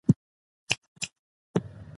نن خو ډیر ساړه دی